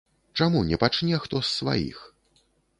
Чаму не пачне хто з сваіх?